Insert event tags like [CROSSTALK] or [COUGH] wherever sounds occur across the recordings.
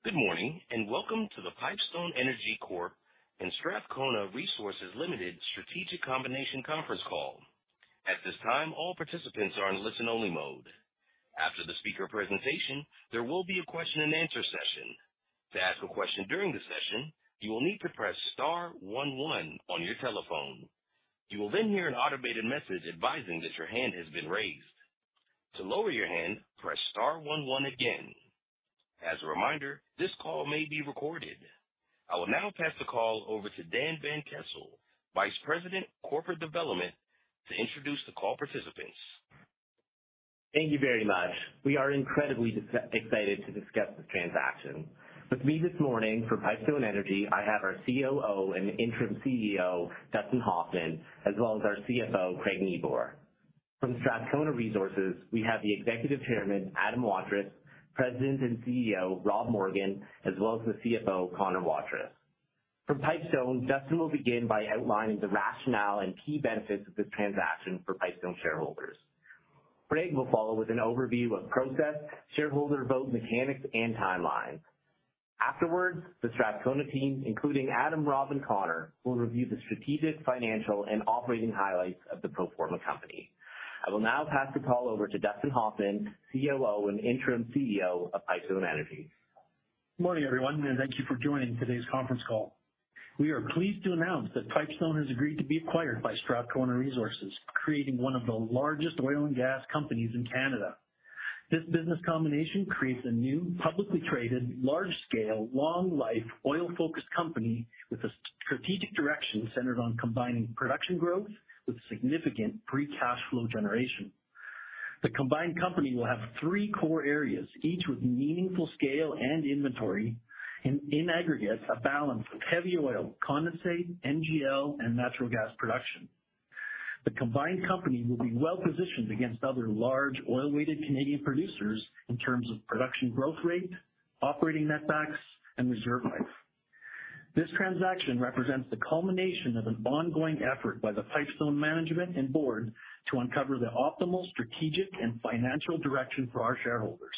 Good morning, and welcome to the Pipestone Energy Corp and Strathcona Resources Ltd Strategic Combination Conference Call. At this time, all participants are in listen-only mode. After the speaker presentation, there will be a question-and-answer session. To ask a question during the session, you will need to press star one one on your telephone. You will then hear an automated message advising that your hand has been raised. To lower your hand, press star one one again. As a reminder, this call may be recorded. I will now pass the call over to Dan van Kessel, Vice President, Corporate Development, to introduce the call participants. Thank you very much. We are incredibly excited to discuss this transaction. With me this morning from Pipestone Energy, I have our COO and Interim CEO, Dustin Hoffman, as well as our CFO, Craig Nieboer. From Strathcona Resources, we have the Executive Chairman, Adam Waterous, President and CEO, Rob Morgan, as well as the CFO, Connor Waterous. From Pipestone, Dustin will begin by outlining the rationale and key benefits of this transaction for Pipestone shareholders. Craig will follow with an overview of process, shareholder vote mechanics, and timeline. Afterwards, the Strathcona team, including Adam, Rob, and Connor, will review the strategic, financial, and operating highlights of the pro forma company. I will now pass the call over to Dustin Hoffman, COO and Interim CEO of Pipestone Energy. Good morning, everyone, and thank you for joining today's conference call. We are pleased to announce that Pipestone has agreed to be acquired by Strathcona Resources, creating one of the largest oil and gas companies in Canada. This business combination creates a new, publicly traded, large scale, long life, oil-focused company with a strategic direction centered on combining production growth with significant free cash flow generation. The combined company will have three core areas, each with meaningful scale and inventory, and in aggregate, a balance of heavy oil, condensate, NGL, and natural gas production. The combined company will be well positioned against other large oil-weighted Canadian producers in terms of production growth rate, operating netbacks, and reserve life. This transaction represents the culmination of an ongoing effort by the Pipestone management and Board to uncover the optimal strategic and financial direction for our shareholders.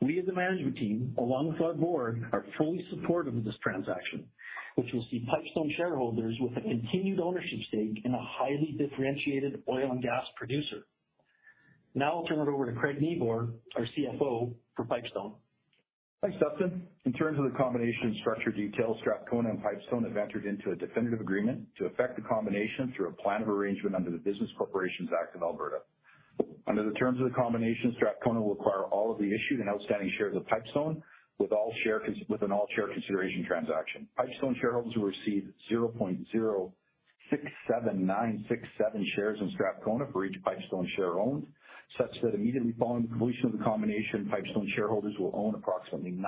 We as a management team, along with our Board, are fully supportive of this transaction, which will see Pipestone shareholders with a continued ownership stake in a highly differentiated oil and gas producer. I'll turn it over to Craig Nieboer, our CFO for Pipestone. Thanks, Dustin. In terms of the combination and structure details, Strathcona and Pipestone have entered into a definitive agreement to affect the combination through a plan of arrangement under the Business Corporations Act in Alberta. Under the terms of the combination, Strathcona will acquire all of the issued and outstanding shares of Pipestone with an all share consideration transaction. Pipestone shareholders will receive 0.067967 shares in Strathcona for each Pipestone share owned, such that immediately following the completion of the combination, Pipestone shareholders will own approximately 9%,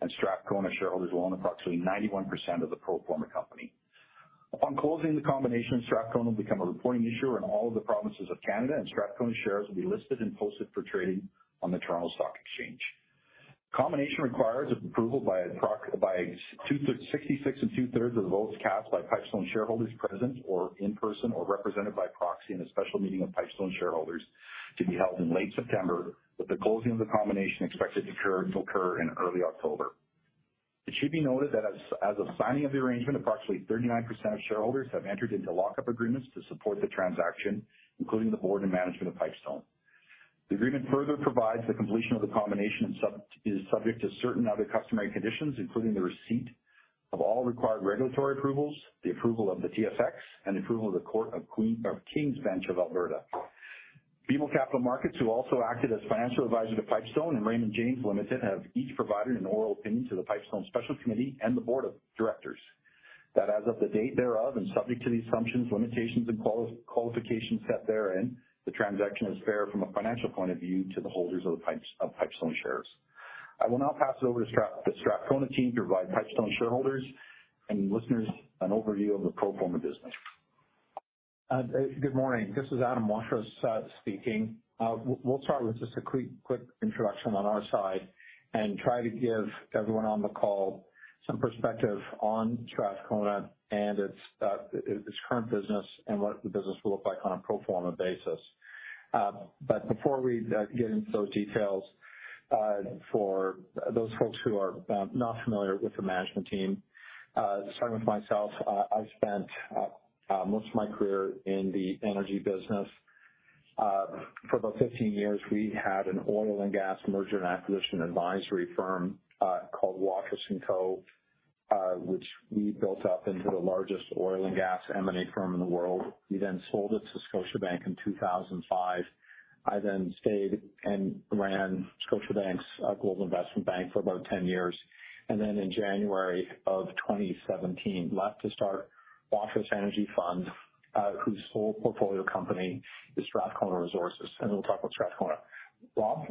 and Strathcona shareholders will own approximately 91% of the pro forma company. Upon closing the combination, Strathcona will become a reporting issuer in all of the provinces of Canada, and Strathcona shares will be listed and posted for trading on the Toronto Stock Exchange. Combination requires approval by 66 and two-thirds of the votes cast by Pipestone shareholders present or in person or represented by proxy in a special meeting of Pipestone shareholders to be held in late September, with the closing of the combination expected to occur in early October. It should be noted that as of signing of the arrangement, approximately 39% of shareholders have entered into lockup agreements to support the transaction, including the Board and management of Pipestone. The agreement further provides the completion of the combination is subject to certain other customary conditions, including the receipt of all required regulatory approvals, the approval of the TSX, and approval of the Court of King's Bench of Alberta. BMO Capital Markets, who also acted as financial advisor to Pipestone and Raymond James Ltd, have each provided an oral opinion to the Pipestone Special Committee and the Board of Directors that as of the date thereof, and subject to the assumptions, limitations, and qualifications set therein, the transaction is fair from a financial point of view to the holders of Pipestone shares. I will now pass it over to the Strathcona team to provide Pipestone shareholders and listeners an overview of the pro forma business. Good morning. This is Adam Waterous speaking. We'll start with just a quick, quick introduction on our side and try to give everyone on the call some perspective on Strathcona and its, its current business and what the business will look like on a pro forma basis. Before we get into those details, for those folks who are not familiar with the management team, starting with myself, I've spent most of my career in the energy business. For about 15 years, we had an oil and gas merger and acquisition advisory firm, called Waterous & Co which we built up into the largest oil and gas M&A firm in the world. We then sold it to Scotiabank in 2005. I then stayed and ran Scotiabank's global investment bank for about 10 years, and in January 2017, left to start Waterous Energy Fund, whose sole portfolio company is Strathcona Resources. Now, we'll talk about Strathcona. Rob?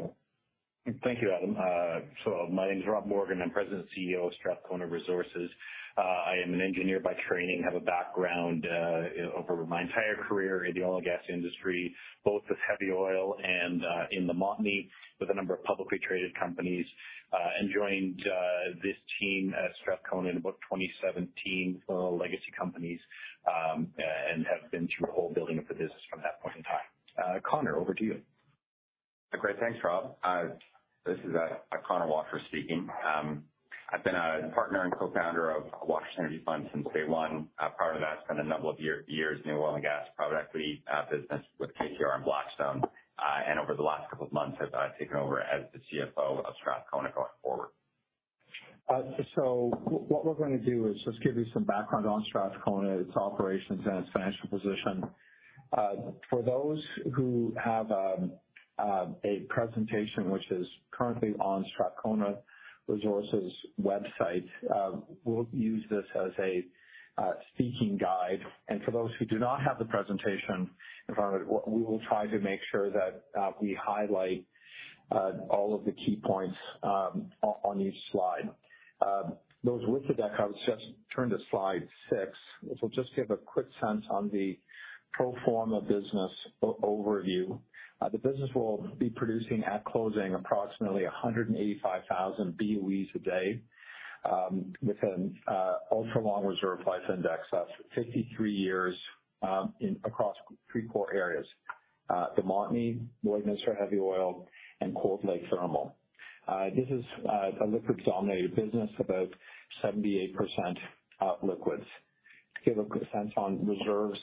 Thank you, Adam. My name is Rob Morgan. I'm President and CEO of Strathcona Resources. I am an engineer by training, have a background over my entire career in the oil and gas industry, both with heavy oil and in the Montney with a number of publicly traded companies, and joined this team at Strathcona in about 2017 from the legacy companies, and have been through the whole building of the business from that point in time. Connor, over to you. Great. Thanks, Rob. This is Connor Waterous speaking. I've been a Partner and Co-Founder of Waterous Energy Fund since day one. Prior to that, spent a number of years in the oil and gas private equity business with KKR and Blackstone. Over the last two months, I've taken over as the CFO of Strathcona going forward. What we're going to do is just give you some background on Strathcona, its operations, and its financial position. For those who have a presentation which is currently on Strathcona Resources website, we'll use this as a speaking guide. For those who do not have the presentation in front of them, we will try to make sure that we highlight all of the key points on each Slide. Those with the deck, I would just turn to Slide 6, which will just give a quick sense on the pro forma business overview. The business will be producing at closing approximately 185,000 BOEs a day, with an ultra long Reserve Life Index of 53 years across three core areas, the Montney, Lloydminster Heavy Oil, and Cold Lake Thermal. This is a liquids-dominated business, about 78% liquids. To give a quick sense on reserves,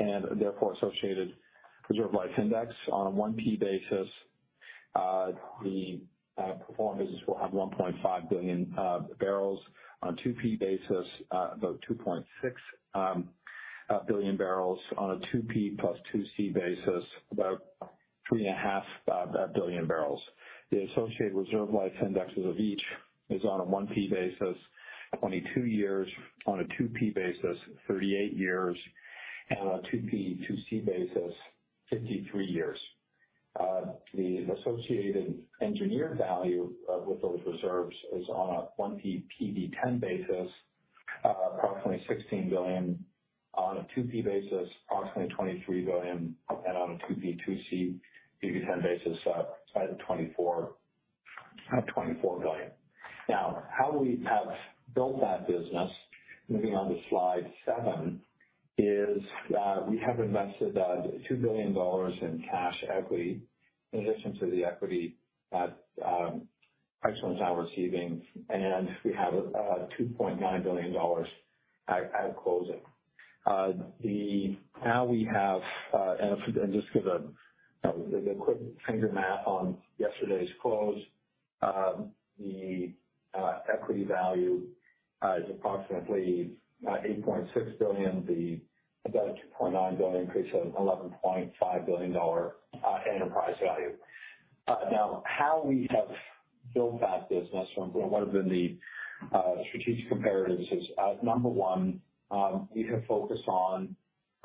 and therefore associated Reserve Life Index, on a 1P basis, the pro forma business will have 1.5 billion bbl. On a 2P basis, about 2.6 billion bbl. On a 2P plus 2C basis, about 3.5 billion bbl. The associated Reserve Life Indexes of each is, on a 1P basis, 22 years, on a 2P basis, 38 years, and on a 2P 2C basis, 53 years. The associated engineered value with those reserves is, on a 1P PV10 basis, approximately 16 billion, on a 2P basis, approximately 23 billion, and on a 2P 2C PV10 basis, 24 billion, 24 billion. Now, how we have built that business, moving on to Slide 7, is that we have invested 2 billion dollars in cash equity in addition to the equity that Pipestone is now receiving, and we have 2.9 billion dollars at closing. Now we have, and just to give a quick finger math on yesterday's close, the equity value is approximately 8.6 billion, about a 2.9 billion increase, so an 11.5 billion dollar enterprise value. Now, how we have built that business, what have been the strategic comparatives is number one, we have focused on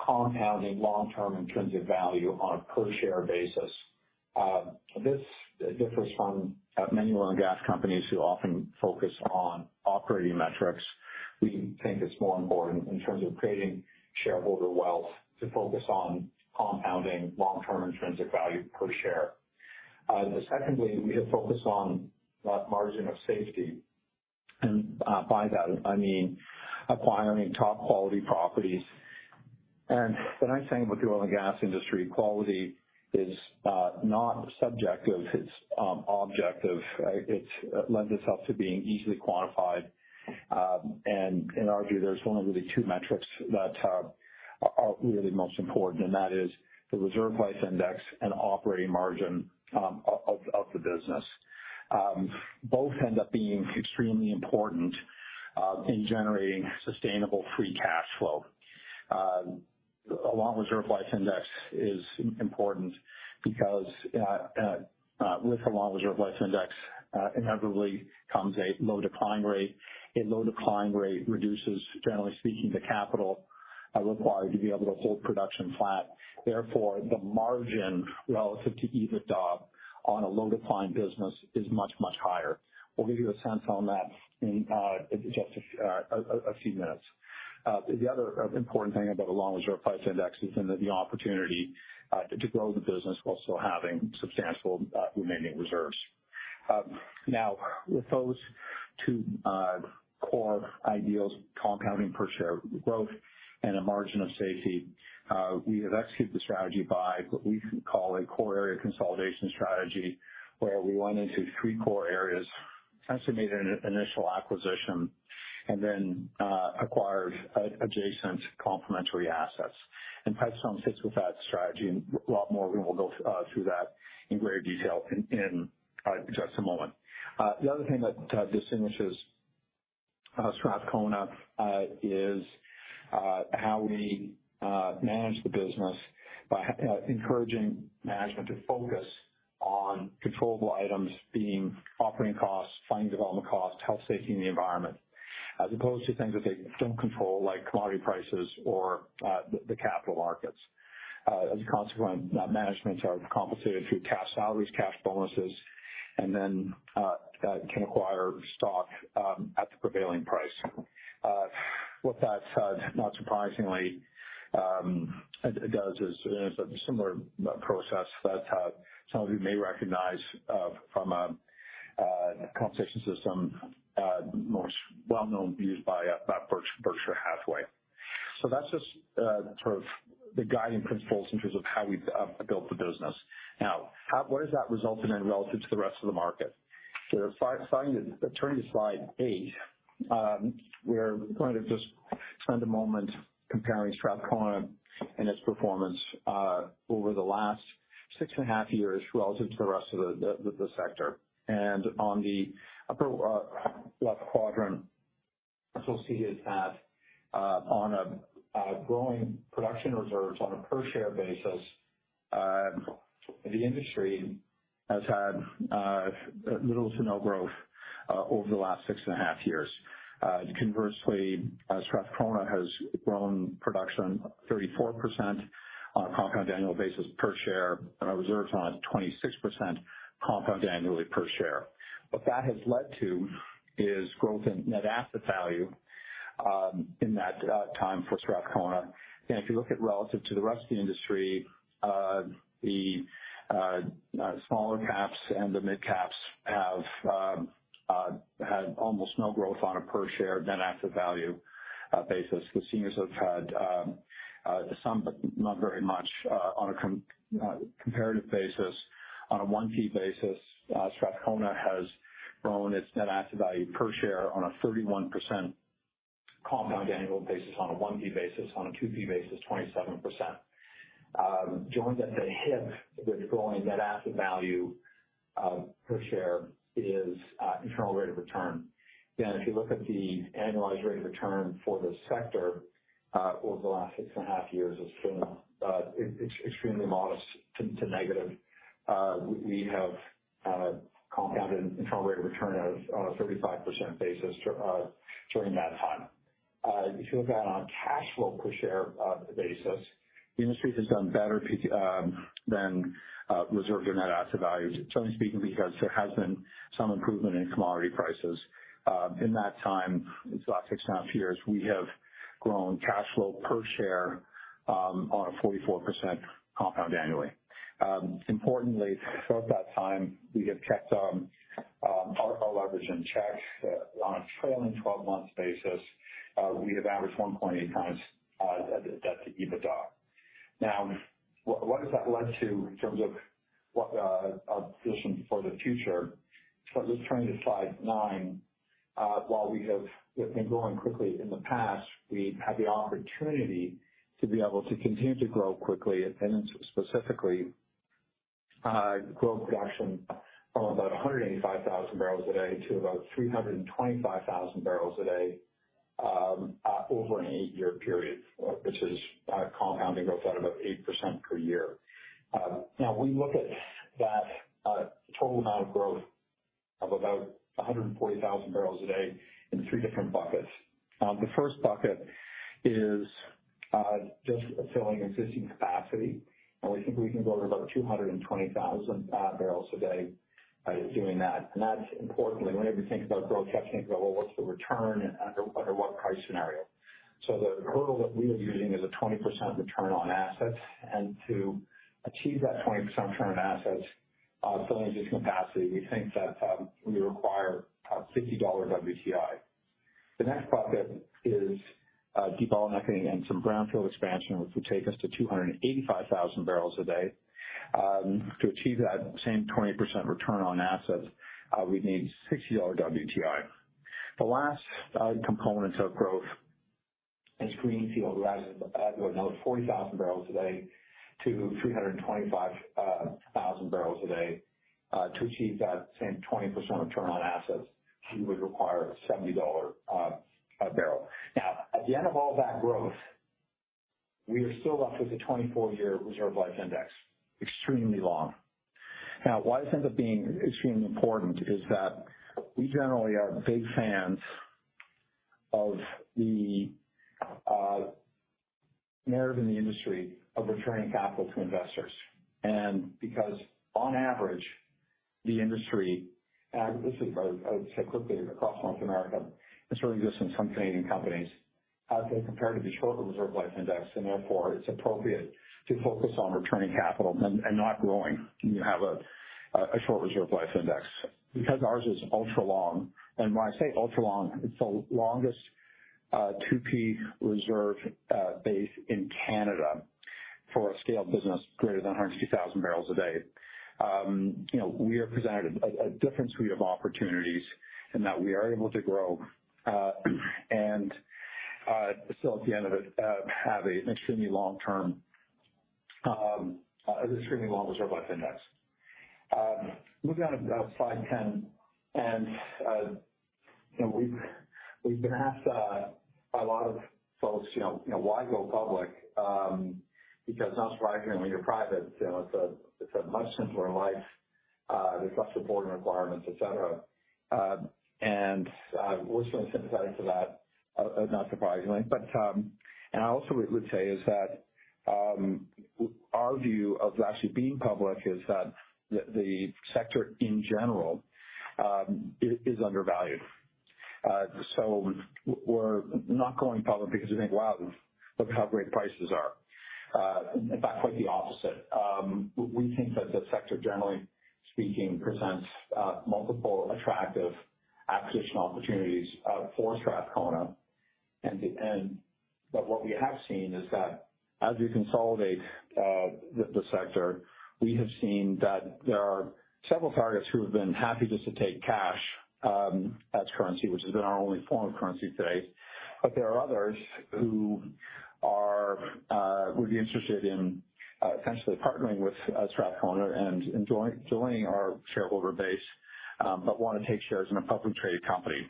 compounding long-term intrinsic value on a per share basis. This differs from many oil and gas companies who often focus on operating metrics. [AUDIO DISTORTION] important, in terms of creating shareholder wealth, to focus on compounding long-term intrinsic value per share. Secondly, we have focused on the margin of safety, and by that, I mean acquiring top quality properties. And the nice thing about the oil and gas industry, quality is not subjective, it's objective. It lends itself to being easily quantified. And arguably, there's one of the two metrics that are really most important, and that is the Reserve Life Index and operating margin of the business. Both end up being extremely important in generating sustainable free cash flow. A long Reserve Life Index is important because with a long Reserve Life Index, inevitably comes a low decline rate A low decline rate reduces, generally speaking, the capital required to be able to hold production flat. Therefore, the margin relative to EBITDA on a low decline business is much, much higher. We'll give you a sense on that in just a few minutes. The other important thing about a long Reserve Life Index is in the opportunity to grow the business while still having substantial remaining reserves. Now, with those two core ideals, compounding per share growth and a margin of safety, we have executed the strategy by what we call a core area consolidation strategy, where we went into three core areas, essentially made an initial acquisition, and then acquired adjacent complementary assets. Pipestone fits with that strategy, and Rob Morgan will go through that in greater detail in just a moment. The other thing that distinguishes Strathcona is how we manage the business by encouraging management to focus on controllable items, being operating costs, find development costs, health, safety, and the environment, as opposed to things that they don't control, like commodity prices or the capital markets. As a consequence, managements are compensated through cash salaries, cash bonuses, and then can acquire stock at the prevailing price. What that, not surprisingly, it does is a similar process that some of you may recognize from a compensation system, most well known and used by by Berkshire, Berkshire Hathaway. That's just sort of the guiding principles in terms of how we've built the business. What has that resulted in relative to the rest of the market? If turning to Slide 8, we're going to just spend a moment comparing Strathcona and its performance over the last 6.5 years relative to the rest of the sector. On the upper left quadrant, what you'll see is that on a growing production reserves on a per share basis, the industry has had little to no growth over the last 6.5 years. Conversely, Strathcona has grown production 34% on a compound annual basis per share, and our reserves on it, 26% compound annually per share. What that has led to is growth in net asset value in that time for Strathcona. If you look at relative to the rest of the industry, the smaller caps and the mid caps have had almost no growth on a per share net asset value basis. The seniors have had some, but not very much, on a comparative basis. On a 1P basis, Strathcona has grown its net asset value per share on a 31% compound annual basis on a 1P basis. On a 2P basis, 27%. Joined at the hip with growing net asset value per share is internal rate of return. Again, if you look at the annualized rate of return for the sector, over the last 6.5 years, it's been extremely modest to negative. We, we have compounded internal rate of return of, on a 35% basis during that time. If you look at on cash flow per share basis, the industry has done better than reserve your net asset values, certainly speaking, because there has been some improvement in commodity prices. In that time, these last 6.5 years, we have grown cash flow per share on a 44% compound annually. Importantly, throughout that time, we have kept our leverage in check. On a trailing 12-month basis, we have averaged 1.8x debt to EBITDA. Now, what, what has that led to in terms of what our position for the future? Just turning to Slide 9, while we have, have been growing quickly in the past, we have the opportunity to be able to continue to grow quickly, and specifically, grow production from about 185,000 bbl/d-325,000 bbl/d, over an eight-year period, which is compounding growth at about 8% per year. We look at that total amount of growth of about 140,000 bbl/d in three different buckets. The first bucket is just filling existing capacity, and we think we can grow to about 220,000 bbl/d by doing that. That's importantly, whenever you think about growth, you have to think about what's the return under, under what price scenario. The hurdle that we are using is a 20% return on assets, and to achieve that 20% return on assets, filling existing capacity, we think that we require $50 WTI. The next bucket is debottlenecking and some brownfield expansion, which would take us to 285,000 bbl/d. To achieve that same 20% return on assets, we'd need $60 WTI. The last component of growth is greenfield, adding, adding another 40,000 bbl/d-325,000 bbl/d. To achieve that same 20% return on assets, we would require a $70 a barrel. Now, at the end of all that growth, we are still left with a 24-year reserve life index. Extremely long. Now, why this ends up being extremely important is that we generally are big fans of the narrative in the industry of returning capital to investors. Because on average, the industry, and this is, I, I would say quickly, across North America, this really exists in some Canadian companies, they compare to be short the reserve life index, and therefore it's appropriate to focus on returning capital and not growing when you have a short reserve life index. Because ours is ultra long, and when I say ultra long, it's the longest 2P reserve base in Canada for a scaled business greater than 100,000 bbl/d. You know, we are presented a, a different suite of opportunities in that we are able to grow and still at the end of it have a extremely long term, extremely long Reserve Life Index. Moving on to Slide 10. You know, we've, we've been asked by a lot of folks, you know, "Why go public? Because not surprisingly, when you're private, you know, it's a, it's a much simpler life. There's less reporting requirements, et cetera." We're certainly sympathetic to that, not surprisingly. I also would, would say is that our view of actually being public is that the, the sector in general is, is undervalued. So, we're not going public because we think, "Wow, look how great prices are." In fact, quite the opposite. We think that the sector, generally speaking, presents multiple attractive acquisition opportunities for Strathcona. What we have seen is that as you consolidate the sector, we have seen that there are several targets who have been happy just to take cash as currency, which has been our only form of currency to date. But there are others who would be interested in potentially partnering with Strathcona and joining our shareholder base, but want to take shares in a publicly traded company.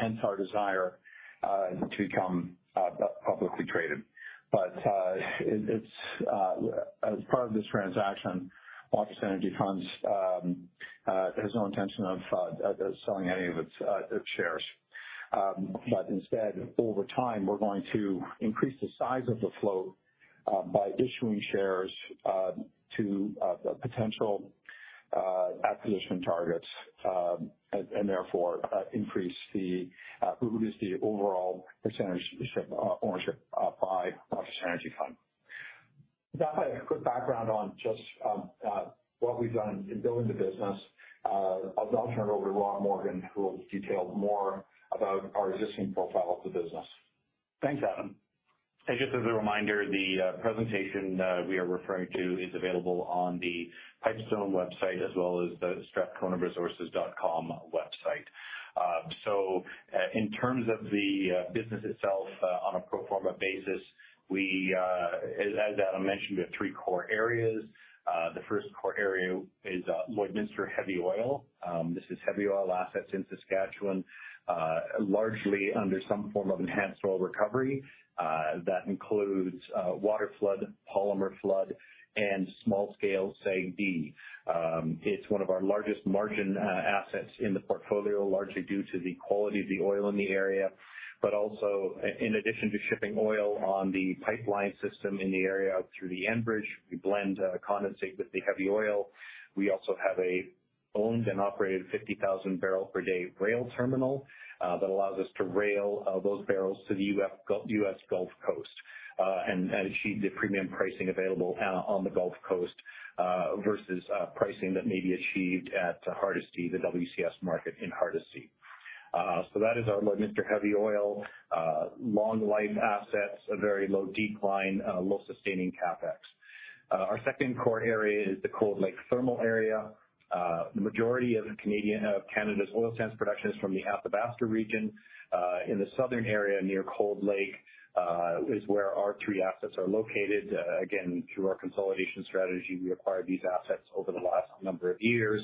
Hence our desire to become publicly traded. But it, it's, as part of this transaction, Waterous Energy Fund has no intention of selling any of its its shares. Instead, over time, we're going to increase the size of the float by issuing shares to potential acquisition targets, and therefore, increase the reduce the overall percentage ownership by Waterous Energy Fund. With that, a quick background on just what we've done in building the business. I'll now turn it over to Rob Morgan, who will detail more about our existing profile of the business. Thanks, Adam. Just as a reminder, the presentation we are referring to is available on the Pipestone website, as well as the strathconaresources.com website. In terms of the business itself, on a pro forma basis, we, as Adam mentioned, we have three core areas. The first core area is Lloydminster heavy oil. This is heavy oil assets in Saskatchewan, largely under some form of enhanced oil recovery. That includes waterflood, polymer flood, and small scale SAGD. It's one of our largest margin assets in the portfolio, largely due to the quality of the oil in the area, but also in addition to shipping oil on the pipeline system in the area through the Enbridge, we blend condensate with the heavy oil. We also have a owned and operated 50,000 bbl/d rail terminal, that allows us to rail those barrels to the U.S. Gulf Coast, and achieve the premium pricing available on the Gulf Coast, versus pricing that may be achieved at Hardisty, the WCS market in Hardisty. That is our Lloydminster heavy oil, long life assets, a very low decline, low sustaining CapEx. Our second core area is the Cold Lake thermal area. The majority of the Canadian, Canada's oil sands production is from the Athabasca region. In the southern area near Cold Lake, is where our three assets are located. Again, through our consolidation strategy, we acquired these assets over the last number of years.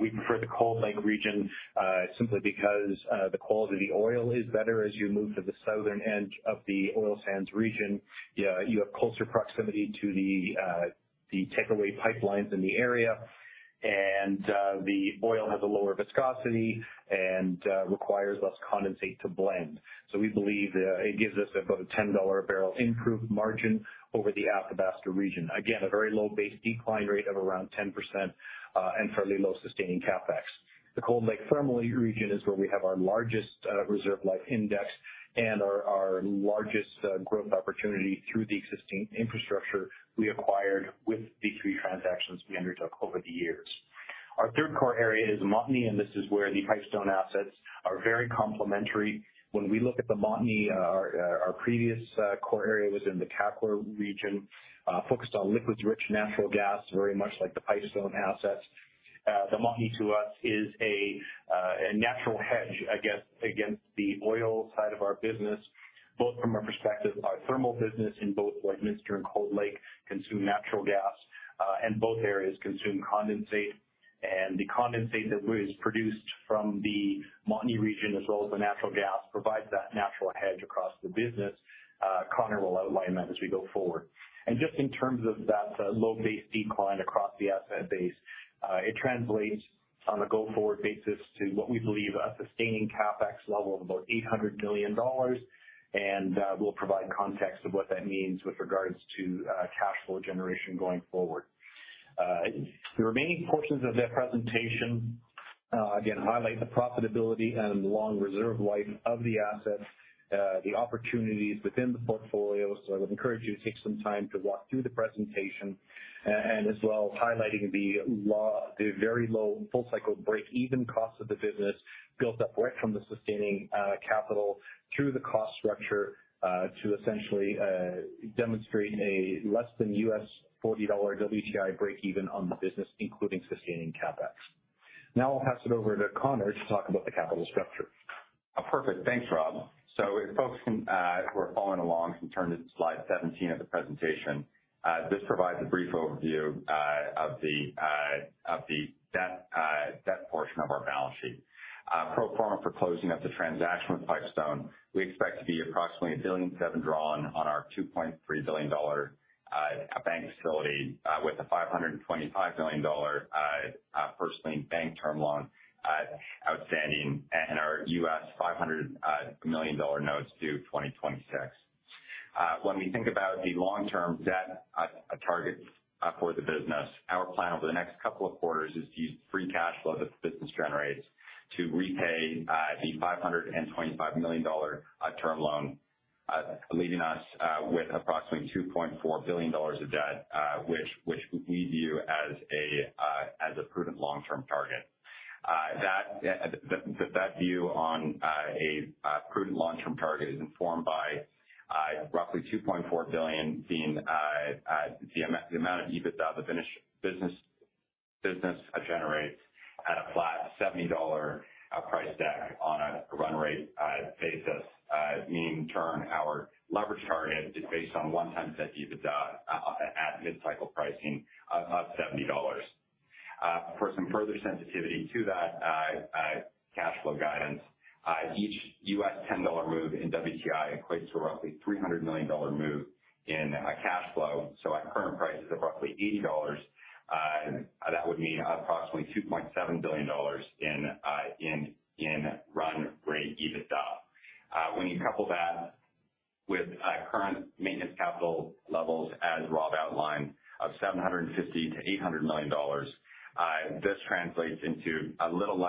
We prefer the Cold Lake region, simply because the quality of the oil is better as you move to the southern end of the oil sands region. You have closer proximity to the, the take away pipelines in the area, and the oil has a lower viscosity and requires less condensate to blend. So we believe it gives us about a $10/bbl improved margin over the Athabasca region. Again, a very low base decline rate of around 10%, and fairly low sustaining CapEx. The Cold Lake thermal region is where we have our largest Reserve Life Index and our largest growth opportunity through the existing infrastructure we acquired with the three transactions we undertook over the years. Our third core area is Montney, and this is where the Pipestone assets are very complementary. When we look at the Montney, our, our previous, core area was in the Kakwa region, focused on liquids rich natural gas, very much like the Pipestone assets. The Montney to us is a, a natural hedge against, against the oil side of our business, both from a perspective of our thermal business in both Lloydminster and Cold Lake consume natural gas, and both areas consume condensate. The condensate that was produced from the Montney region, as well as the natural gas, provides that natural hedge across the business. Connor will outline that as we go forward. Just in terms of that, low base decline across the asset base, it translates on a go forward basis to what we believe a sustaining CapEx level of about $800 million, and we'll provide context of what that means with regards to cash flow generation going forward. The remaining portions of the presentation, again, highlight the profitability and long reserve life of the assets, the opportunities within the portfolio. I would encourage you to take some time to walk through the presentation, and as well as highlighting the low- the very low full cycle break even cost of the business, built up right from the sustaining capital through the cost structure, to essentially demonstrate a less than $40 WTI break even on the business, including sustaining CapEx. Now, I'll pass it over to Connor to talk about the capital structure. Perfect. Thanks, Rob. If folks can, who are following along, can turn to Slide 17 of the presentation. This provides a brief overview of the debt, debt portion of our balance sheet. Pro forma for closing of the transaction with Pipestone, we expect to be approximately 1.7 billion drawn on our 2.3 billion dollar bank facility, with a 525 million dollar first lien bank term loan outstanding, and our $500 million notes due 2026. When we think about the long-term debt target for the business, our plan over the next couple of quarters is to use free cash flow that the business generates to repay the 525 million dollar term loan, leaving us with approximately 2.4 billion dollars of debt, which, which we view as a prudent long-term target. That that, that view on a prudent long-term target is informed by roughly 2.4 billion being the amount of EBITDA the business generates at a flat 70 dollar price deck on a run rate basis. Meaning our leverage target is based on 1x that EBITDA at mid-cycle pricing of 70 dollars. For some further sensitivity to that cash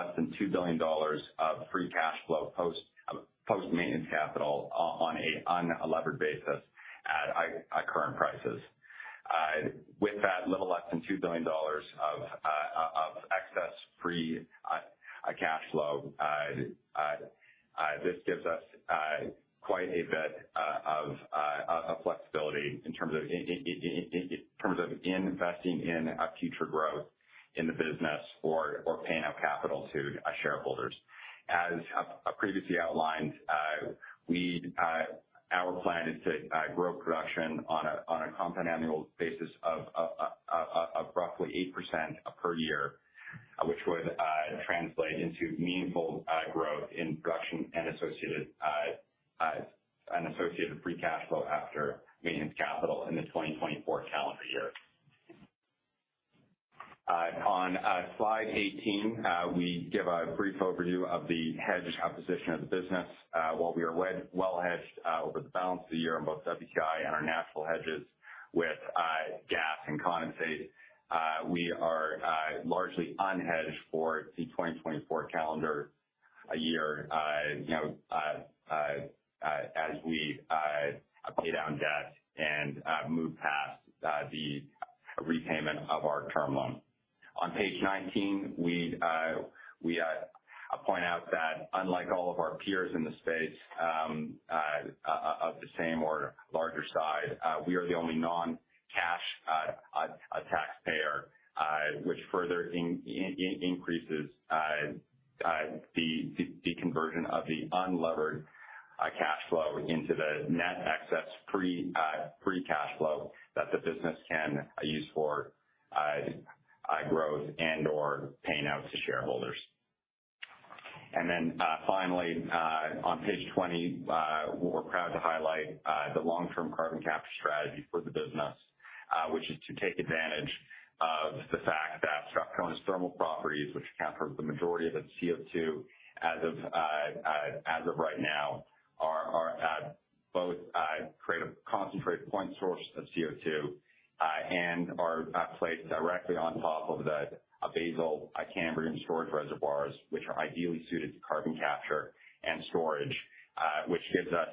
flow guidance, each U.S. $10 move in WTI equates to roughly $300 million move in cash flow. At current prices of roughly $80, that would mean approximately $2.7 billion in run rate EBITDA. When you couple that with current maintenance capital levels, as Rob outlined, of $750 million-$800 million, this translates into a little less than $2 billion of free cash flow, post-maintenance capital, on an unlevered basis at current prices. With that little less than $2 billion of excess free cash flow, this gives us quite a bit of flexibility in terms of investing in future growth in the business or paying out capital to shareholders. As previously outlined, our plan is to grow production on a compound annual basis of roughly 8% per year, which would translate into meaningful growth in production and associated and associated free cash flow after maintenance capital in the 2024 calendar year. On Slide 18, we give a brief overview of the hedge position of the business. While we are well, well hedged over the balance of the year on both WTI and our natural hedges with gas and condensate, we are largely unhedged for the 2024 calendar year. You know, as we pay down debt and move past the repayment of our term loan. On page 19, we'd we point out that unlike all of our peers in the space of the same or larger size, we are the only non-cash taxpayer, which further in-in-increases the conversion of the unlevered cash flow into the net excess free cash flow that the business can use for growth and/or paying out to shareholders. Then, finally, on page 20, we're proud to highlight the long-term carbon capture strategy for the business, which is to take advantage of the fact that Strathcona's thermal properties, which account for the majority of its CO2 as of right now, are at both, create a concentrated point source of CO2, and are placed directly on top of the Basal Cambrian storage reservoirs, which are ideally suited to carbon capture and storage. Which gives us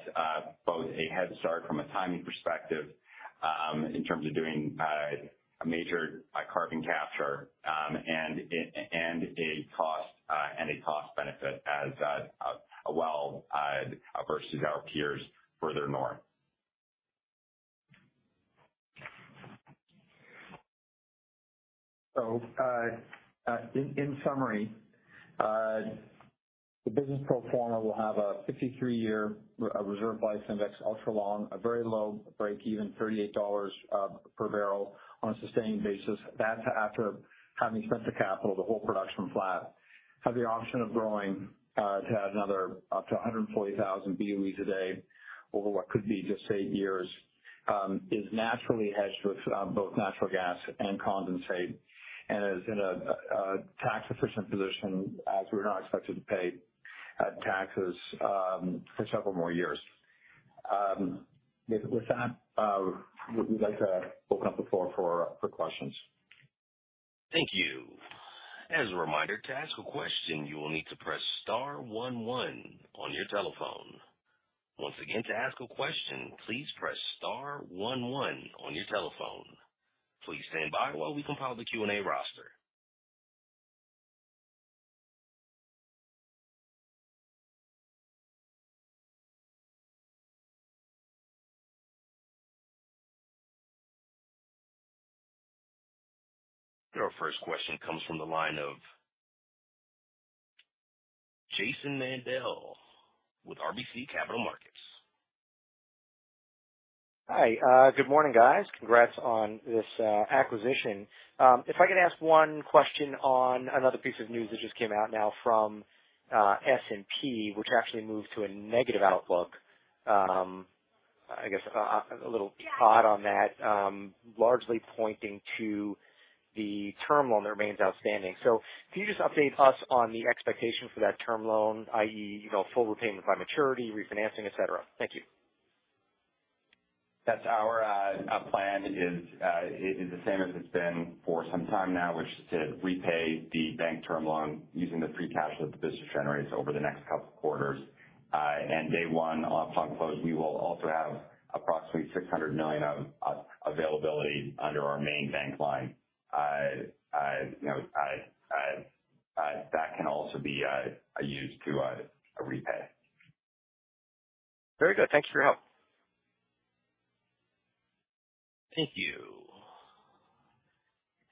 both a head start from a timing perspective, in terms of doing a major carbon capture, and a cost, and a cost benefit as a well, versus our peers further north. In summary, the business pro forma will have a 53-year Reserve Life Index, ultra long, a very low break-even, $38/bbl on a sustained basis. That's after having spent the capital, the whole production flat. Have the option of growing to another up to 140,000 BOEs a day over what could be just eight years. Is naturally hedged with both natural gas and condensate, and is in a tax-efficient position as we're not expected to pay taxes for several more years. With that, we'd like to open up the floor for questions. Thank you. As a reminder, to ask a question, you will need to press star one one on your telephone. Once again, to ask a question, please press star one one on your telephone. Please stand by while we compile the Q&A roster. Our first question comes from the line of Jason Mandel with RBC Capital Markets. Hi, good morning, guys. Congrats on this acquisition. If I could ask one question on another piece of news that just came out now from S&P, which actually moved to a negative outlook. I guess a little odd on that, largely pointing to the term loan that remains outstanding. Can you just update us on the expectation for that term loan, i.e., you know, full repayment by maturity, refinancing, et cetera? Thank you. That's our plan is the same as it's been for some time now, which is to repay the bank term loan using the free cash flow the business generates over the next couple of quarters. Day one, on close, we will also have approximately 600 million of availability under our main bank line. You know, that can also be used to repay. Very good. Thank you for your help. Thank you.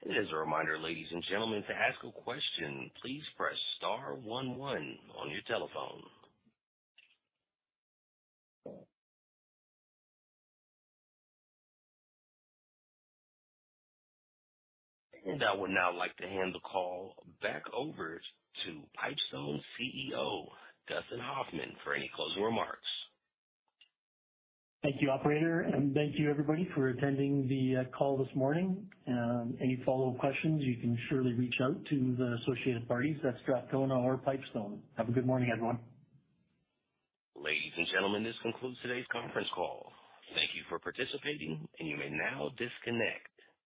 As a reminder, ladies and gentlemen, to ask a question, please press star one one on your telephone. I would now like to hand the call back over to Pipestone CEO, Dustin Hoffman, for any closing remarks. Thank you, operator. Thank you everybody for attending the call this morning. Any follow-up questions, you can surely reach out to the associated parties at Strathcona or Pipestone. Have a good morning, everyone. Ladies and gentlemen, this concludes today's conference call. Thank you for participating, and you may now disconnect.